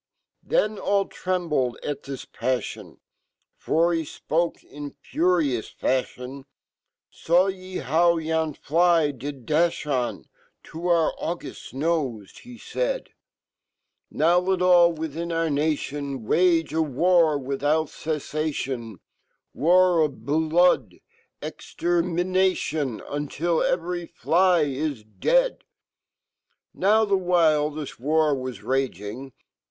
Then all trembled at his pafffon, For he fpoke in furious fafhion., 5a wyeho wyon flydiddaHi on TO our auguft nofe ?" he faid Now let all wifhin cur nation "Wage awarwifh out ceffationj "Warof b lood, ex ter mi nation*, "^ Until every fly is dead.'!.'!" fhewhile this war.waf raging.